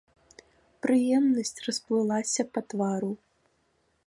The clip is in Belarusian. Прыемнасць расплылася па твару.